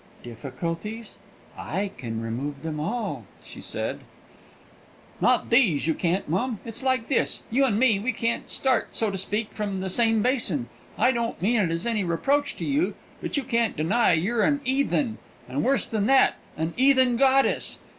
"Difficulties? I can remove them all!" she said. "Not these you can't, mum. It's like this: You and me, we don't start, so to speak, from the same basin. I don't mean it as any reproach to you, but you can't deny you're an Eathen, and, worse than that, an Eathen goddess.